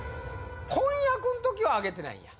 婚約のときはあげてないんや？